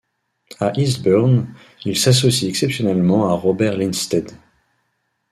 À Eastbourne, il s'associe exceptionnellement à Robert Lindstedt.